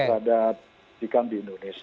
terhadap jika di indonesia